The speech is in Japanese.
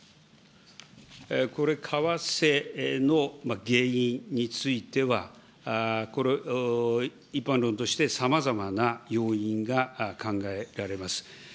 これ、為替の原因については、一般論として、さまざまな要因が考えられます。